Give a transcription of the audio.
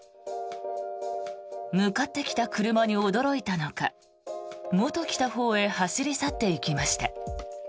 向かってきた車に驚いたのかもと来たほうへ走り去っていきました。